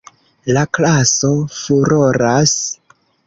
La klaso furoras.